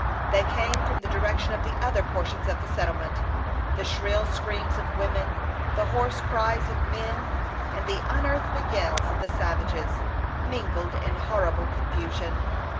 They came from the direction of the other portions of the settlement. The shrill screams of women, the hoarse cries of men, and the unearthly yells of the savages, mingled in horrible confusion.